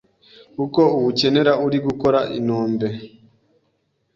kuko uwukenera urimo gukora inombe